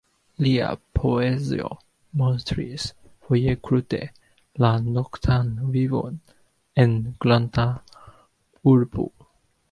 Lia poezio montris, foje krude, la noktan vivon en granda urbo.